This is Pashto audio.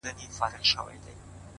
• هر دولت او هر قوت لره آفت سته ,